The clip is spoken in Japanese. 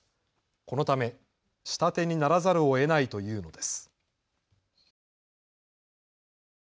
このため下手にならざるをえないというのです。